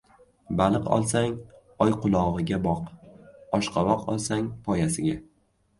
• Baliq olsang oyqulog‘iga boq, oshqovoq olsang — poyasiga.